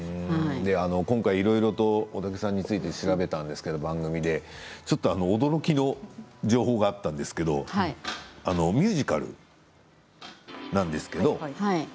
今回いろいろと大竹さんについて調べたんですけれども番組でちょっと驚きの情報があったんですけれどミュージカルなんですけど。